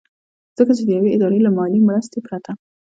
ځکه چې د يوې ادارې له مالي مرستې پرته